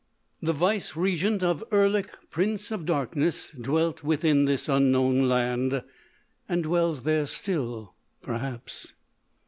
The vice regent of Erlik, Prince of Darkness, dwelt within this unknown land. And dwells there still, perhaps.